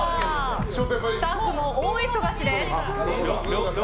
スタッフも大忙しです。